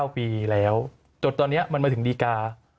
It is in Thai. ๙ปีแล้วจนตอนนี้มันมาถึงดีกา